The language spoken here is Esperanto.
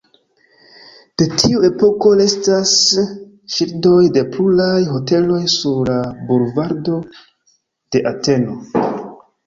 De tiu epoko restas ŝildoj de pluraj hoteloj sur la bulvardo de Ateno.